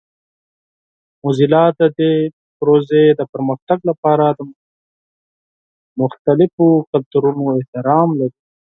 موزیلا د دې پروژې د پرمختګ لپاره د مختلفو کلتورونو احترام لري.